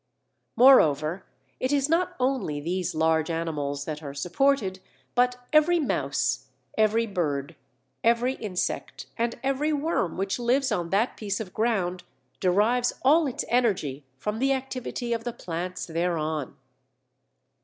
Moreover it is not only these large animals that are supported, but every mouse, every bird, every insect, and every worm which lives on that piece of ground, derives all its energy from the activity of the plants thereon.